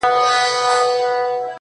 زه له ډبرې خو ته جوړه له سيتاره سوې